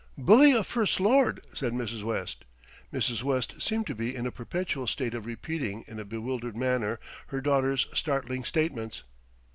"Bully a First Lord," said Mrs. West. Mrs. West seemed to be in a perpetual state of repeating in a bewildered manner her daughter's startling statements.